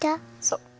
そう。